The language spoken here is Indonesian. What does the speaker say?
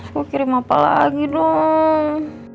aku kirim apa lagi dong